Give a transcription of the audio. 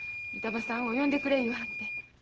板場さんを呼んでくれ言わはって。